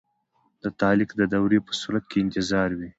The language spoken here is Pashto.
د تعلیق د دورې په صورت کې انتظار وي.